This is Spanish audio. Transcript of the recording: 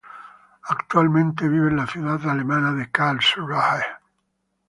Actualmente vive en la ciudad alemana de Karlsruhe.